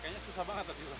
kayaknya susah banget tadi